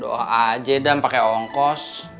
doa aja dam pake angkos